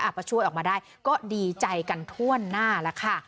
ถ้าอยากประชั่วออกมาได้ก็ดีใจกันทั่วหน้าละค่ะ